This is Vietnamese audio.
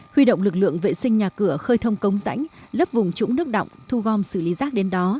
huy động lực lượng vệ sinh nhà cửa khơi thông cống rãnh lấp vùng trũng nước đọng thu gom xử lý rác đến đó